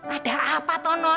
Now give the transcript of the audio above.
ada apa tonon